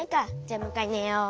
じゃあもう１かいねよう。